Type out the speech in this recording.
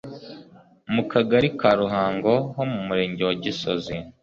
mu Kagali ka Ruhango ho mu Murenge wa Gisozi